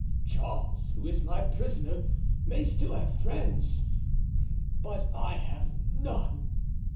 Charles, who is my prisoner, may still have friends, but I have none!"